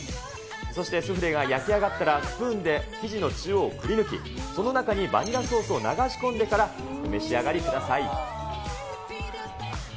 そしてスフレが焼き上がったら、スプーンで生地の中央をくりぬき、その中にヴァニラソースを流し込んでからお召し上がりください。